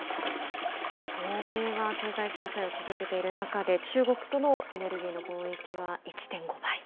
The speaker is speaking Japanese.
欧米は経済制裁を続けている中で、中国とのエネルギーの貿易は１．５倍。